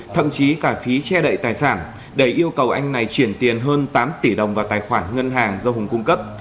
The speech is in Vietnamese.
thậm chí cả phí che đậy tài sản để yêu cầu anh này chuyển tiền hơn tám tỷ đồng vào tài khoản ngân hàng do hùng cung cấp